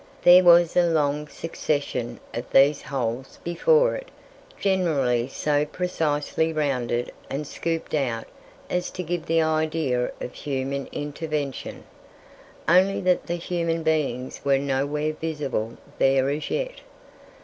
There was a long succession of these holes before it, generally so precisely rounded and scooped out as to give the idea of human intervention, only that the human beings were nowhere visible there as yet.